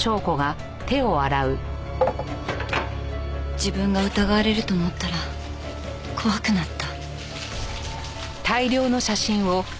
自分が疑われると思ったら怖くなった。